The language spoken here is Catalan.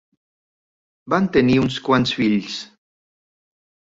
Van tenir uns quants fills.